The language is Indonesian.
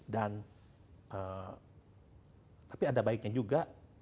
dan tapi ada baiknya juga